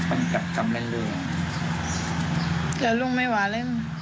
อาจภูมิเปริการ